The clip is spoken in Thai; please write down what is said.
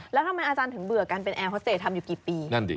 แล้วทำไมอาจารย์ถึงเบื่อกันเป็นแอร์ฮอสเตจทำอยู่กี่ปี